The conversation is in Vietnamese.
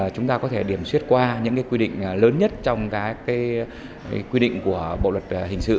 chúng ta có thể điểm suyết qua những quy định lớn nhất trong quy định của bộ luật hình sự